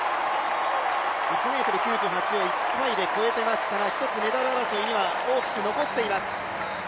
１ｍ９８を１回で越えてますから、１つメダル争いには、大きく残っています。